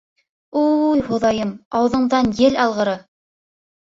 — Уй Хоҙайым, ауыҙыңдан ел алғыры!